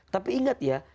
tapi ingat ya